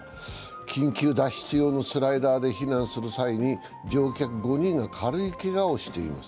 緊急脱出用のスライダーで避難する際に乗客５人が軽いけがをしています。